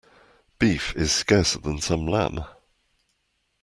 Beef is scarcer than some lamb.